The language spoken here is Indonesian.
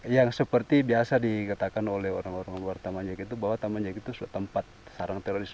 yang seperti biasa dikatakan oleh orang orang luar taman jagi itu bahwa taman jagi itu tempat sarang teroris